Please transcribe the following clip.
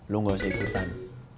lo gak usah ikutan